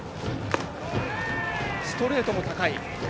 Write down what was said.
ストレートも高い。